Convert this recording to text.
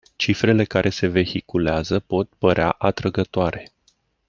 Cifrele care se vehiculează pot părea atrăgătoare.